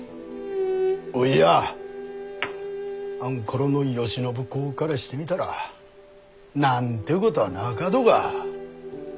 おいやあんころの慶喜公からしてみたら何てことぁなかどが。